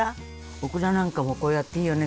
オクラなんかもこうやっていいよね。